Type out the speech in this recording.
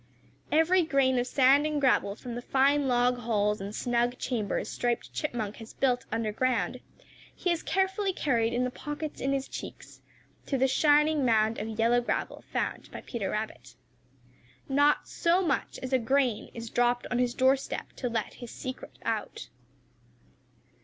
Every grain of sand and gravel from the fine long halls and snug chambers Striped Chipmunk has built underground he has carefully carried in the pockets in his cheeks to the shining mound of yellow gravel found by Peter Rabbit. Not so much as a grain is dropped on his doorstep to let his secret out.